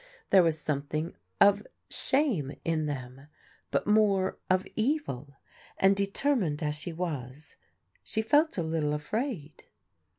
There was something of shame in them, but more of evil, and determined as she was, she felt a little afraid.